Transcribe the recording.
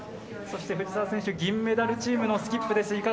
そして藤澤選手、銀メダルチームのスキップです。